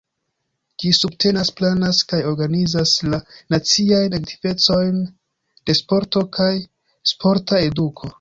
Ĝi subtenas, planas kaj organizas la naciajn aktivecojn de sporto kaj sporta eduko.